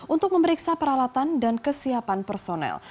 untuk memeriksa peralatan dan kesiapan personel